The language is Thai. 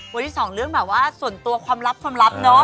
วันที่สองเรื่องแบบว่าส่วนตัวความลับเนาะ